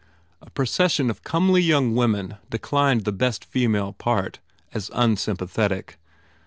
A procession of comely young women declined the best female part as "unsympathetic."